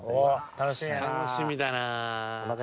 楽しみだな！